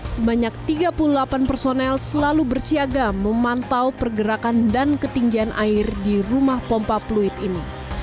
sebanyak tiga puluh delapan personel selalu bersiaga memantau pergerakan dan ketinggian air di rumah pompa fluid ini